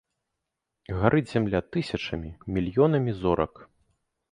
Гарыць зямля тысячамі, мільёнамі зорак.